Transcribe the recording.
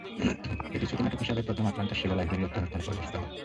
এটি শ্রুতিনাটক হিসেবে প্রথম আটলান্টার সেবা লাইব্রেরির একটি অনুষ্ঠানে পরিবেশিত হয়।